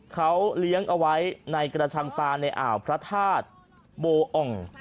เขาเลี้ยงเอาไว้ในกระชังปลาในอ่าวพระธาตุโบอ่อง